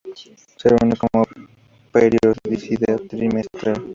Se reúne con periodicidad trimestral.